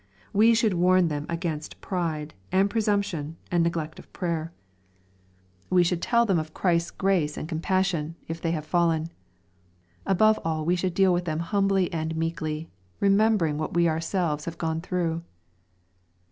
We should warn them against pride, and presumption, and neglect of prayer. We should t«l] LUKE, CHAP. XXII. 418 tLem of Christ's grace and coinpassion, if they have fallen. Aboi^e all, we should deal with them hurably and meekly, remembering what we ourselves have gone through.